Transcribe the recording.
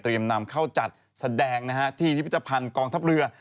เตรียมนำเข้าจัดแสดงที่พิทธิภัณฑ์กองทัพเรือ